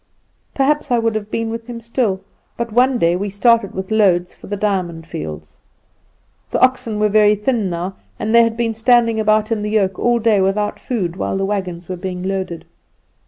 Perhaps I would have been with him still; but one day we started with loads for the Diamond Fields. The oxen were very thin now, and they had been standing about in the yoke all day without food, while the wagons were being loaded.